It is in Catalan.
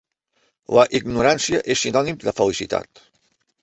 La ignorància és sinònim de felicitat.